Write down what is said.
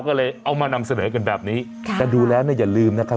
ก็เลยเอามานำเสนอกันแบบนี้ค่ะแต่ดูแล้วเนี่ยอย่าลืมนะครับ